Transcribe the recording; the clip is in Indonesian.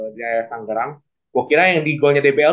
di daerah tanggarang gua kira yang di goernya dbl